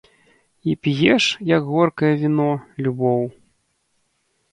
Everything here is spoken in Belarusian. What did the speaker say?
І п'еш, як горкае віно, любоў.